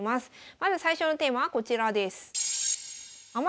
まず最初のテーマはこちらです。